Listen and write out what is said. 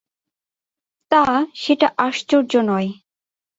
তা, সেটা আশ্চর্য নয়।